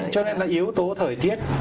cho nên là yếu tố thời tiết